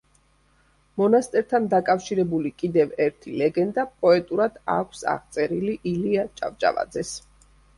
მონასტერთან დაკავშირებული კიდევ ერთი ლეგენდა პოეტურად აქვს აღწერილი ილია ჭავჭავაძეს.